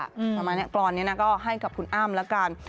ประมาณนี้กรอนนี้นะก็ให้กับคุณอ้ำแล้วกัน